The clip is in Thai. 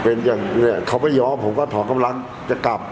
เป็นอย่างนี้แหละเขาไม่ยอมผมก็ถอนกำลังจะกลับ